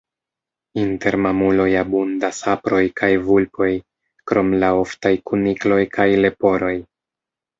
Inter mamuloj abundas aproj kaj vulpoj, krom la oftaj kunikloj kaj leporoj.